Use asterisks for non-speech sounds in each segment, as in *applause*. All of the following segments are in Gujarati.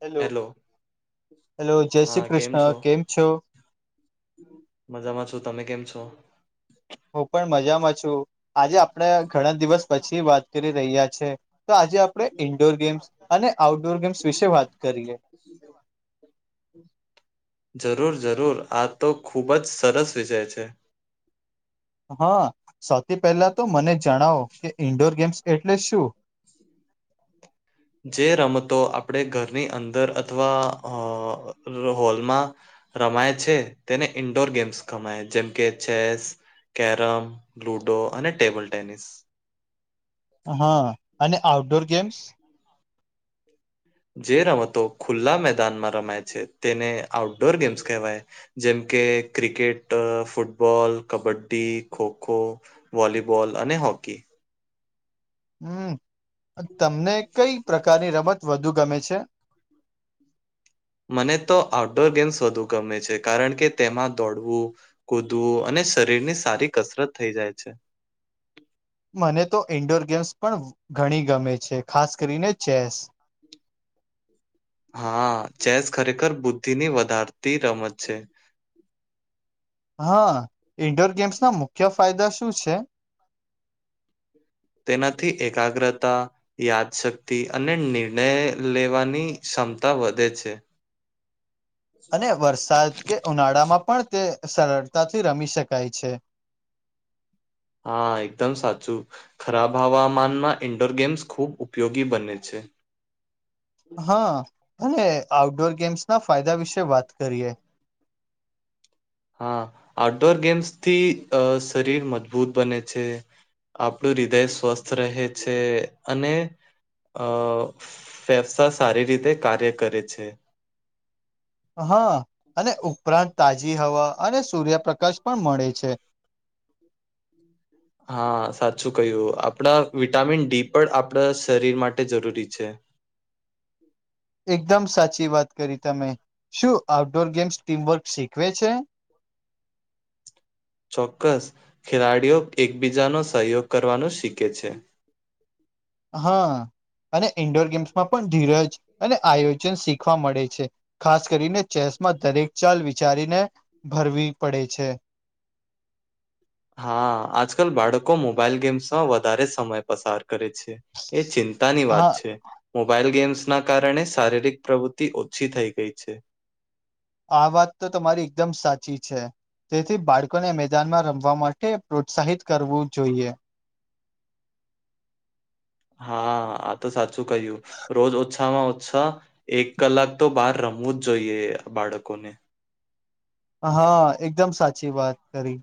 હેલો હેલો જય હા શ્રી કૃષ્ણ છો કેમ છો. મજામાં છું તમે કેમ છો. હું પણ મજામાં છું આજે આપડ ઘણા દિવસ પછી વાત કરી રહ્યા છે. તો આજે આપડણે ઇન્ડોર ગેમ્સ અને આઉટડોર ગેમ્સ વિશે વાત કરીએ. *inaudible* જરૂર જરૂર આ તો ખૂબ જ સરસ વિષય છે. હા સૌથી પહેલા તો મને જણાવો કે ઈન્ડોર ગેમ્સ એટલે શું. જે રમતો આપણે ઘરની અંદર અથવા હ હોલમાં રમાય છે તેને ઇન્ડોર ગેમ્સ કમાય જેમ કે ચેસ કેરમ, લુડો અને ટેબલ ટેનિસ હા અને આઉટડોર ગેમ્સ? જે રમતો ખુલ્લા મેદાનમાં રમાય છે તેને આઉટડોર ગેમ્સ કહેવાય. જેમ કે cricket, football, kabaddi, kho kho volleyball અને હોકી હમ્મ તમને કઈ પ્રકારની રમત વધુ ગમે છે? મને તો આઉટડોર ગેમ્સ વધુ ગમે છે કારણ કે તેમાં દોડવું કૂદવું અને શરીરની સારી કસરત થઈ જાય છે. મને તો ઈન્ડોર ગેમ્સ પણ ઘણી ગમે છે ખાસ કરીને ચેસ હા ચેસ ખરેખર બુદ્ધિની વધારતી રમત છે હા ઇન્ડોર ગેમ્સના મુખ્ય ફાયદા શું છે? *inaudible* તેનાથી એકાગ્રતા યાદશક્તિ અને નિર્ણય લેવાની ક્ષમતા વધે છે. અને વરસાદ કે ઉનાળામાં પણ તે સરળતાથી રમી શકાય છે. હા એકદમ સાચું ખરાબ હવામાનમાં ઈન્ડોર ગેમ્સ ખુબ ઉપયોગી બને છે. હા અને આઉટડોર ગેમ્સના ફાયદા વિશે વાત કરીએ. હા આઉટડોર ગેમ્સથી અ શરીર મજબૂત બને છે. આપણું હૃદય સ્વસ્થ રહે છે અને અ ફેફસા સારી રીતે કાર્ય કરે છે. હા અને ઉપરાંત તાજી હવા અને સૂર્યપ્રકાશ પણ મળે છે. *inaudible* હા સાચું કહ્યું આપણા વિટામિન ડી પણ આપણા શરીર માટે જરૂરી છે. એકદમ સાચી વાત કરી તમે. શું આઉટડોર ગેમ્સ ટીમવર્ક શીખવે છે? ચોક્કસ. ખેલાડીઓ એકબીજાનો સહયોગ કરવાનું શીખે છે. હા અને ઇન્ડોર ગેમ્સમાં પણ ધીરજ અને આયોજન શીખવા મળે છે. ખાસ કરીને ચેસમાં દરેક ચાલ વિચારીને ભરવી પડે છે. હા આજકાલ બાળકો મોબાઈલ ગેમ્સમાં વધારે સમય પસાર કરે છે. એ ચિંતાની વાત હા છે. મોબાઈલ ગેમ્સના કારણે શારીરિક પ્રવૃતિ ઓછી થઈ ગઈ છે. આ વાત તો તમારી એકદમ સાચી છે. તેથી બાળકોને મેદાનમાં રમવા માટે પ્રોત્સાહિત કરવું જોઈએ. હા આ તો સાચું કહ્યું રોજ ઓછામાં ઓછા એક કલાક તો બહાર રમવું જ જોઈએ બાળકોને. હા એકદમ સાચી વાત કરી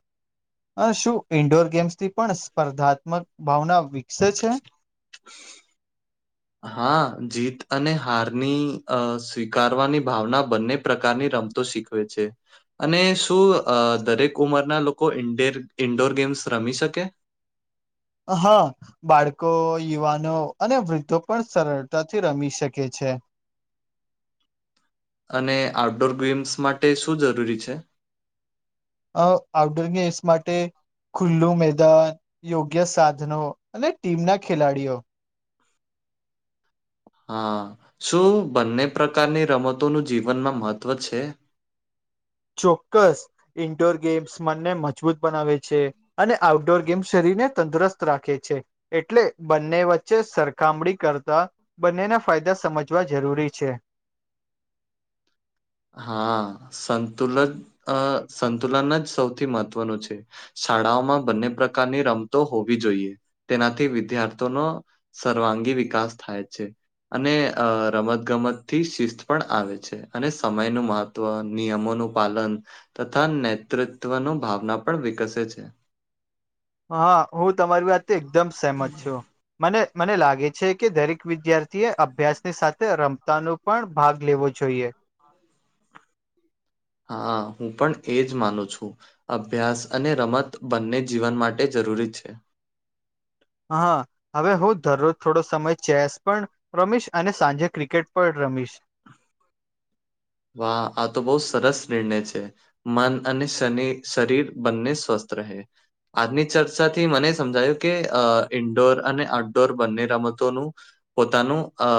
અને શું ઈન્ડોર ગેમ્સ થી પણ સ્પર્ધાત્મક ભાવના વિકસે છે *inaudible* હા જીત અને હારની અ સ્વીકારવાની ભાવના બંને પ્રકારની રમતો શીખ છે અને શું દરેક ઉંમરના લોકો ઇન્ડેર ઇન્ડોર ગેમ્સ રમી શકે? હા બાળકો, યુવાનો અને વૃદ્ધો પણ સરળતાથી રમી શકે છે અને આઉટડોર ગેમ્સ માટે શું જરૂરી છે? અ આઉડોર ગેસ માટે ખુલ્લું મેદાન યોગ્ય સાધનો અને ટીમના ખેલાડીઓ હા. શું બંને પ્રકારની રમતોનું જીવનમાં મહત્ત્વ છે? ચોક્કસ ઇન્ડોર ગેમ્સ મનને મજબૂત બનાવે છે. અને આઉટડોર ગેમ શરીરને તંદુરસ્ત રાખે છે. એટલે બંને વચ્ચે સરખામણી કરતાં બંનેના ફાયદા સમજવા જરૂરી છે. હા સંતુલદ અ સંતુલન જ સૌથી મહત્વનું છે. શાળાઓમાં બંને પ્રકારની રમતો હોવી જોઈએ તેનાથી વિદ્યાર્થીઓનો સર્વાંગી વિકાસ થાય છે અને અ રમત ગમત થી શિસ્ત પણ આવે છે અને સમય નું મહત્વ નિયમોનું પાલન તથા નેતૃત્વની ભાવના પણ વિકસે છે હા હું તમારી વાત એકદમ સહેમત છું મને મને લાગે છે કે દરેક વિદ્યાર્થી એ અભ્યાસની સાથે રમતા ન પણ ભાગ લેવો જોઈએ હા હું પણ એજ માનું છું અભ્યાસ અને રમત બંને જીવન માટે જરૂરી છે હા હવે હું દરરોજ થોડો સમય ચેસ પણ રમીશ અને સાંજે ક્રિકેટ પણ રમીશ વાહ આ તો બહુ સરસ નિર્ણય છે મન અને શ શરીર બંને સ્વસ્થ રહે આજની ચર્ચાથી મને સમજાયું કે ઇન્ડોર અને આઉટડોર બંને રમતોનું પોતાનું અ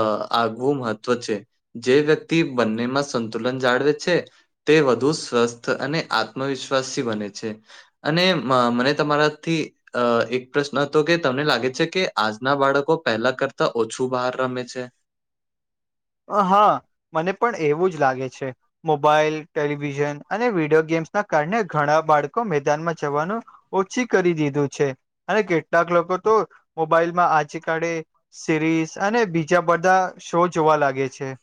આગવું મહત્વ છે જે વ્યક્તિ બંનેમાં સંતુલન જાળવે છે તે વધુ સ્વસ્થ અને આત્મવિશ્વાસથી બને છે અને મને તમારાથી અ એક પ્રશ્ન હતો કે તમને લાગે છે કે આજના બાળકો પહેલા કરતા ઓછું બહાર રમે છે હા મને પણ એવું જ લાગે છે મોબાઈલ ટેલિવિઝન અને વિડીિયો ગેમ્સ ના કારણે ઘણા બાળકો મેદાનમાં જવાનું ઓછી કરી દીધું છે અને કેટલાક લોકો તો મોબાઈલમાં આજે કળે સિરીસ અને બીજા બધા શો જોવા લાગે છે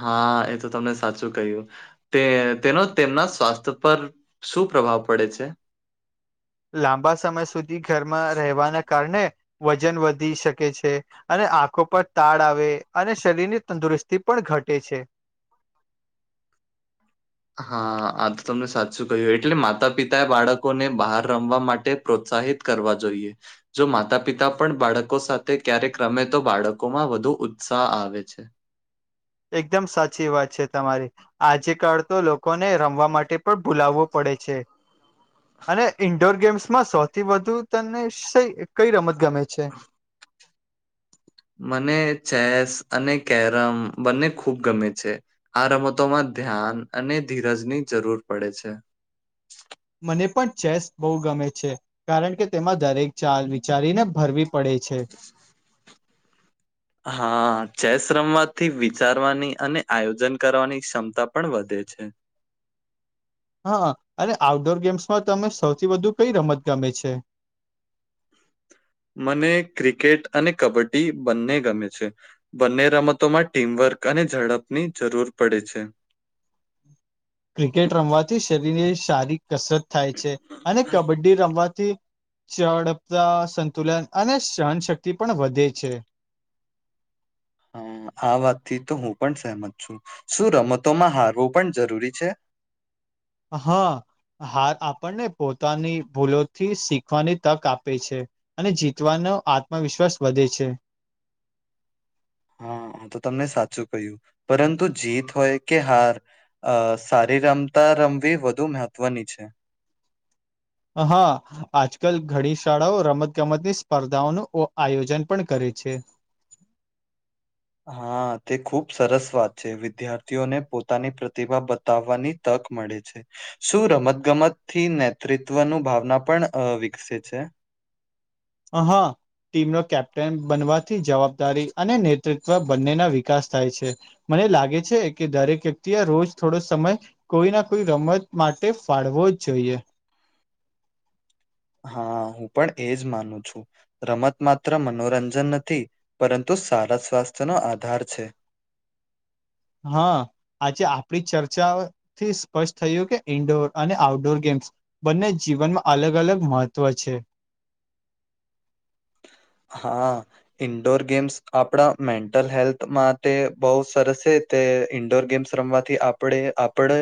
હા એ તો તમને સાચું કહ્યું તે તેનો તેમના સ્વાસ્થ્ય પર શું પ્રભાવ પડે છે લાંબા સમય સુધી ઘરમાં રહેવાના કારણે વજન વધી શકે છે અને આંખો પર તાળ આવે અને શરીરની તંદુરસ્તી પણ ઘટે છે હા આ તો તમને સાચું કહ્યું એટલે માતા પિતાએ બાળકોને બહાર રમવા માટે પ્રોત્સાહિત કરવા જોઈએ જો માતા પિતા પણ બાળકો સાથે ક્યારેક્રમે તો બાળકો માં વધુ ઉત્સાહ આવે છે એકદમ સાચી વાત છે તમારી આજે કળ તો લોકોને રમવા માટે પણ ભૂલાવવો પડે છે અને ઈન્ડોર ગેમ્સમાં સૌથી વધુ તને કઈ રમત ગમે છે મને ચેસ અને કેરમ બંને ખુબ ગમે છે આ રમતોમાં ધ્યાન અને ધીરજની જરૂર પડે છે મને પણ ચેસ બહુ ગમે છે. કારણ કે તેમાં દરેક ચાલ વિચારીને ભરવી પડે છે. હા ચેસ રમવાથી વિચારવાની અને આયોજન કરવાની ક્ષમતા પણ વધે છે. હા અને આઉટડોર ગેમ્સમાં તમે સૌથી વધુ કઈ રમત ગમે છે. મને ક્રિકેટ અને કબડ્ડી બંને ગમે છે. બંને રમતોમાં ટીમવર્ક અને ઝડપની જરૂર પડે છે ક્રિકેટ રમવાથી શરીરની શારીિક કસરત થાય છે અને કબડ્ડી રમવાથી ડપતા સંતુલન અને સહનશક્તિ પણ વધે છે. હ આ વાતથી તો હું પણ સહમત છું શું રમતોમાં હારવું પણ જરૂરી છે હા હાર આપણને પોતાની ભૂલોથી શીખવાની તક આપે છે. અને જીતવાનો આત્મવિશ્વાસ વધે છે હા તો તમને સાચું કહ્યું પરંતુ જીત હોય કે હાર અ સારી રમતા રમવી વધુ મહત્વની છે હા આજકાલ ઘણી શાળાઓ રમત ગમતની સ્પર્ધાઓનું આયોજન પણ કરે છે હા તે ખુબ સરસ વાત છે વિદ્યાર્થીઓને પોતાની પ્રતિભા બતાવવાની. તક મળે છે શું રમત ગમત થી નેતૃત્વ નુ ભાવના પણ વિકસે છે હા ટીમનો કેપ્ટન બનવાથી જવાબદારી અનેને બંને ના વિકાસ થાય છે મને લાગે છે કે દરેક વ્યક્તિ એ રોજ થોડો સમય કોઈ ના કોઈ રમત માટે ફાળવો જ જોઈએ. હા હું પણ એજ માનું છું રમત માત્ર મનોરંજન નથી પરંતુ સારા સ્વાસ્થ્યનોો આધાર છે. હા આજે આપડી ચર્ચાથી સ્પષ્ટ થયું કે ઈન્ડોર અને આઉટડોર ગેમ્સ બંને જીવનમાં અલગ અલગ મહત્ત્વ છે. હા ઈન્ડોર ગેમ્સ આપણા મેન્ટલ હેલ્થ માટે બહુ સરસ તે ઈન્ડોર ગેમ્સ રમવાથી આપણે આપણે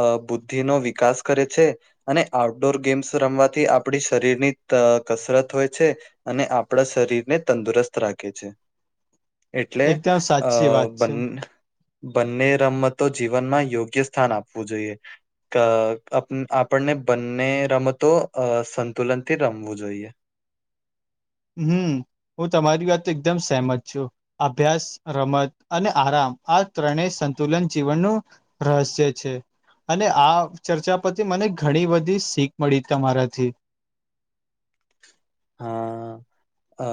અ બુદ્ધિનોો વિકાસ કરે છે. અને આઉટડોર ગેમ્સ રમવાથી આપડી શરીરની ત કસરત હોય છે અને આપણા શરીર ને તંદુરસ્ત રાખે છે. એટલે એકદમ અ સાચી વાત છે બંન બંને રમતો જીવનમાં યોગ્ય સ્થાન આપવું જોઈએ. અ આપણને બંને રમતો સંતુલન થી રમવું જોઈએ હમ હું તમારી વાત તો એકદમ સહેમત છું અભ્યાસ રમત અને આરામ આ ત્રણે સંતુલન જીવનનું રહસ્ય છે. અને આ ચર્ચા પરથી મને ઘણી બધી શીખ મળી તમારાથી. હા અ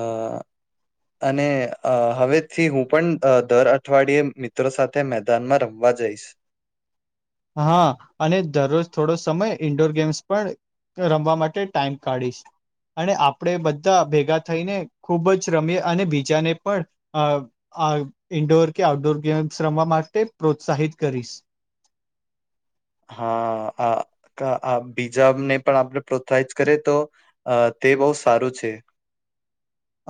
*inaudible* અને અ હવેથી હું પણ અ દર અઠવાડિયે મિત્રો સાથે મેદાનમાં રમવા જઈશ. હા અને દરરોજ થોડો સમય ઈન્ડોર ગેમ્સ પણ રમવા માટે ટાઈમ કાઢીશ. અને આપણે બધા ભેગા થઈને ખૂબ જ રમીએ અને બીજાને પણ અ આ ઇન્ડોર કે આઉટડોર ગેમ્સ રમવા માટે પ્રોત્સાહિત કરીશ. હા આ બીજાને પણ આપણે પ્રોત્સાહિત કરીએ તો અ તે બહુ સારું છે.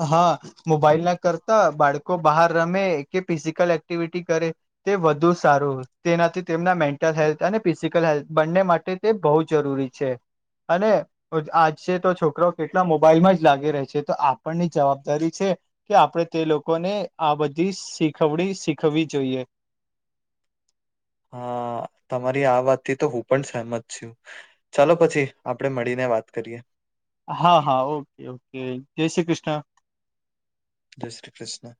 હા મોબાઈલ ના કરતા બાળકો બહાર રમે કે ફિઝિકલ એક્ટિવિટી કરે. તે વધુ સારું તેનાથી તેમના મેન્ટલ હેલ્થ અને ફિઝિકલ હેલ્થ બંને માટે તે બહુ જરૂરી છે. અને આજે તો છોકરો કેટલા મોબાઈલ માં જ લાગી રહે છે તો આપ પણની જવાબદારી છે. કે આપણે તે લોકોને આ બધી શીખવણી શીખવવી જોઈએ. હા તમારી આ વાતથી તો હું પણ સહમત છું. ચાલો પછી આપડે મળીને વાત કરીએ. હા હા ઓકે ઓકે જય શ્રી કૃષ્ણ. જય શ્રી કૃષ્ણ.